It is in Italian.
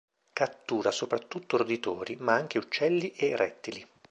Cattura soprattutto roditori, ma anche uccelli e rettili.